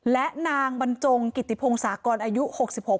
และนางบันจงกิตติพงศ์อายุหกสิบหก